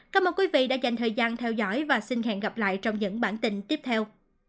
cảm ơn quý vị đã dành thời gian theo dõi và xin hẹn gặp lại trong những bản tin tiếp theo